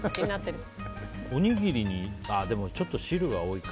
おにぎりにでも、ちょっと汁が多いか。